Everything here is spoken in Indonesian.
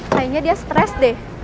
kayaknya dia stres deh